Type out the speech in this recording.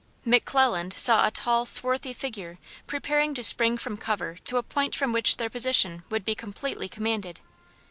McClelland saw a tall, swarthy figure preparing to spring from cover to a point from which their position would be completely commanded.